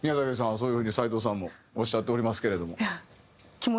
そういう風に斎藤さんもおっしゃっておりますけれども。